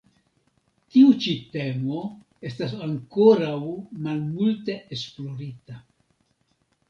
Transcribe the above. Tiu ĉi temo estas ankoraŭ malmulte esplorita.